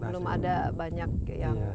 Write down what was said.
belum ada banyak yang